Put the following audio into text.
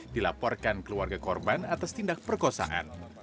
dilaporkan keluarga korban atas tindak perkosaan